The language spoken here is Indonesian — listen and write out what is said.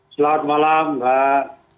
selamat malam mbak